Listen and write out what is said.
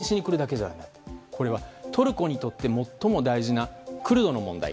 説明しに来るだけじゃなくてこれはトルコにとって最も大事なクルドの問題。